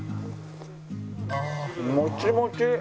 モチモチ！